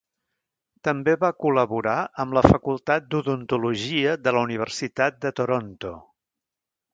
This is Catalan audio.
També va col·laborar amb la Facultat d'Odontologia de la Universitat de Toronto.